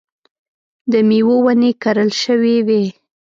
د مېوو ونې کرل شوې وې.